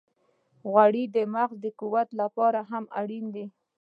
غوړې د مغز د قوت لپاره هم اړینې دي.